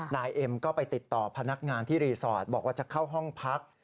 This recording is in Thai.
นายเอ็มก็ไปติดต่อพนักงานที่รีสอร์ทบอกว่าจะเข้าห้องพัก